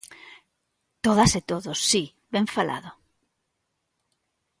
Todos e todas, si, ¡ben falado!